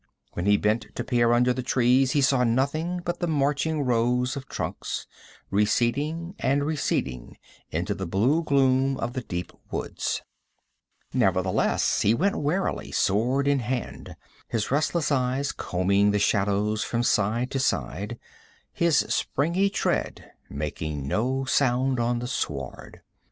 When he bent to peer under the trees, he saw nothing but the marching rows of trunks, receding and receding into the blue gloom of the deep woods. Nevertheless he went warily, sword in hand, his restless eyes combing the shadows from side to side, his springy tread making no sound on the sward.